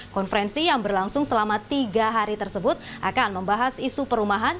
konferensi yang berlangsung selama tiga hari tersebut akan membahas isu perumahan